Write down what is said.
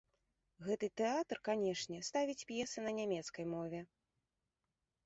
Гэты тэатр, канешне, ставіць п'есы на нямецкай мове.